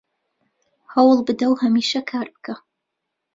هەوڵ بدە و هەمیشە کار بکە